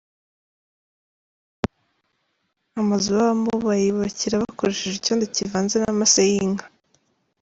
Amazu babamo bayiyubakira bakoresheje icyondo kivanze n’amase y’inka.